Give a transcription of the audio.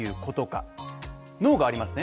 脳がありますね。